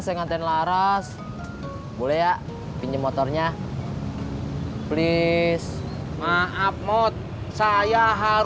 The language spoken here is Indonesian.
buat apa k kontrol itu lah